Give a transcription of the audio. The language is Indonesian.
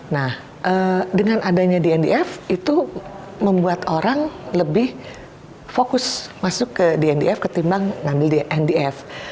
nah dengan adanya dndf itu membuat orang lebih fokus masuk ke dndf ketimbang ngambil dndf